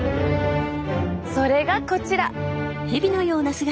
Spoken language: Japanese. それがこちら！